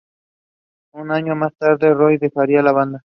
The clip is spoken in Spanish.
Un año más tarde Roy dejaría la banda.